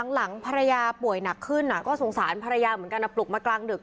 หลังภรรยาป่วยหนักขึ้นก็สงสารภรรยาเหมือนกันนะปลุกมากลางดึก